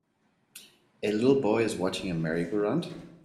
A little boy is watching a merrygoround.